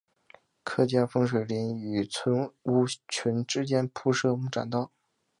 客家风水林与村屋群之间铺设木栈道。